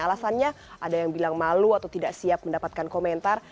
alasannya ada yang bilang malu atau tidak siap mendapatkan komentar